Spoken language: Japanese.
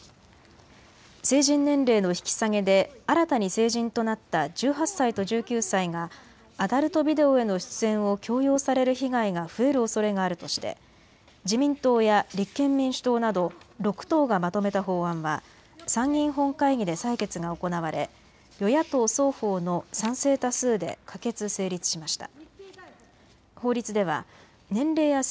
成人年齢の引き下げで新たに成人となった１８歳と１９歳がアダルトビデオへの出演を強要される被害が増えるおそれがあるとして自民党や立憲民主党など６党がまとめた法案は参議院本会議で採決が行われ与野党双方の賛成多数で可決・成立しました。